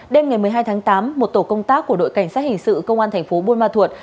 đêm ngày một mươi hai tháng tám một tổ công tác của đội cảnh sát hình sự công an thành phố buôn ma thuột